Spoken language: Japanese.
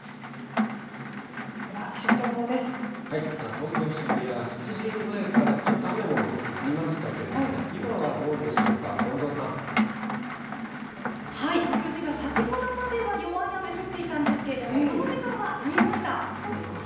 東京・渋谷、７時前からちょっと雨も降りましたけれどもね、今はどうでしょう東京・渋谷、先ほどまでは弱い雨降っていたんですけれども、この時間はやみました。